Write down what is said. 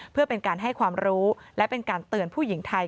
เพื่อเป็นการให้ความรู้และเป็นการเตือนผู้หญิงไทย